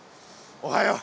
おはよう！